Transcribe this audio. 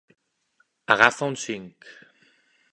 Agafa un cinc.